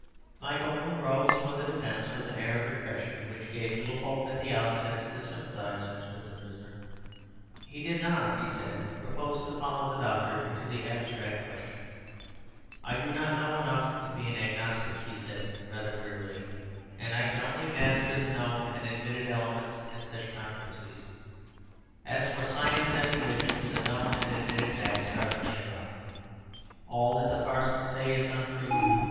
Michael Moon rose for the defence with an air of depression which gave little hope at the outset to the sympathizers with the prisoner. He did not, he said, propose to follow the doctor into the abstract questions. "I do not know enough to be an agnostic," he said, rather wearily, "and I can only master the known and admitted elements in such controversies. As for science and religion, the known and admitted facts are plain enough. All that the parsons say is unproved.